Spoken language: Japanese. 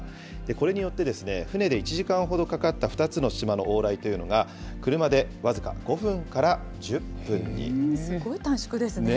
これによって、船で１時間ほどかかった２つの島の往来というのが、車で僅か５分すごい短縮ですね。